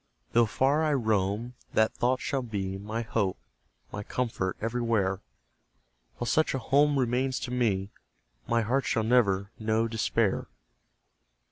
Though far I roam, that thought shall be My hope, my comfort everywhere; While such a home remains to me, My heart shall never know despair.